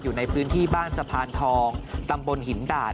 อยู่ในพื้นที่บ้านสะพานทองตำบลหินดาด